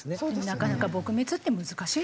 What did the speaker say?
なかなか撲滅って難しいですね